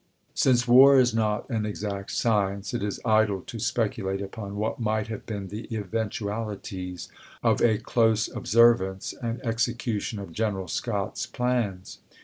Since war is not an exact science, it is idle to speculate upon what might have been the eventu alities of a close observance and execution of Gren eral Scott's plans.